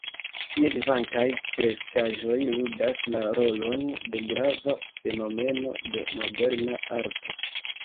Tie vivantaj kreskaĵoj ludas la rolon de grava fenomeno de moderna arto.